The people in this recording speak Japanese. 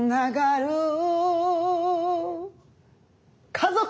家族！